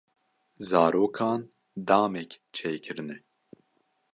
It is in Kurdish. Zarokan damek çêkirine.